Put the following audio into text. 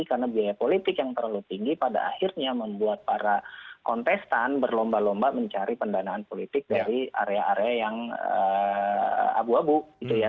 karena biaya politik yang terlalu tinggi pada akhirnya membuat para kontestan berlomba lomba mencari pendanaan politik dari area area yang abu abu gitu ya